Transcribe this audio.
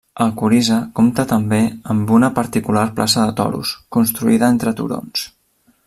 Alcorisa compta també amb una particular plaça de toros, construïda entre turons.